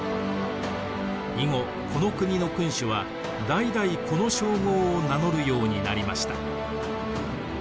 以後この国の君主は代々この称号を名乗るようになりました。